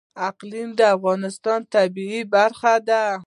اقلیم د افغانستان د طبیعت برخه ده.